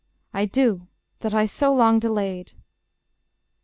I do That I so long delayed.